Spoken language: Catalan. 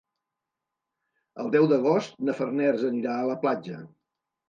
El deu d'agost na Farners anirà a la platja.